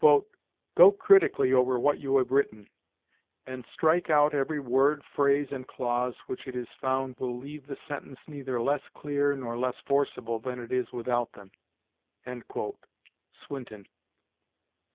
"Go critically over what you have written, and strike out every word, phrase, and clause which it is found will leave the sentence neither less clear nor less forcible than it is without them." Swinton.